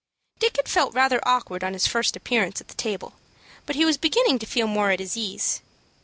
Dick had felt rather awkward on his first appearance at the table, but he was beginning to feel more at his ease.